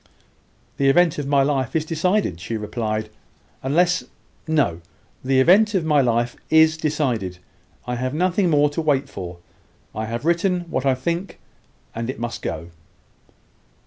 "The event of my life is decided," she replied, "unless No the event of my life is decided. I have nothing more to wait for. I have written what I think, and it must go."